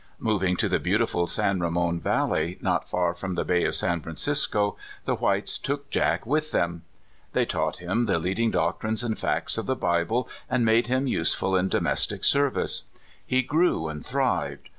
Moving to the beautiful San Ramon Valley, not far from the Bay of San Francisco, the Whites took Jack with them. They taught him the lead ing doctrines and facts of the Bible, and made him useful in domestic service. He grew and thrived.